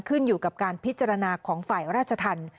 ขึ้นอยู่กับการพิจารณาของฝ่ายราชธรรม